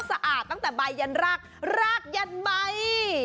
สะอาดตั้งแต่ใบยันรากรากยันใบ